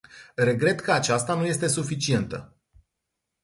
Regret că aceasta nu este suficientă.